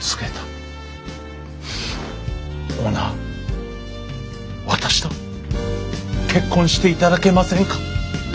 「オーナー私と結婚していただけませんか」。